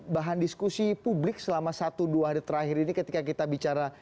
bahan diskusi publik selama satu dua hari terakhir ini ketika kita bicara